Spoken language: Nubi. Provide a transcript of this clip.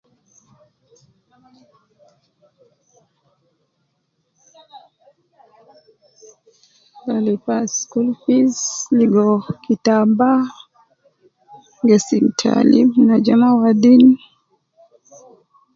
Gi rua lipa school fees, ligo kitamba, gesim taalim ne ajama wadin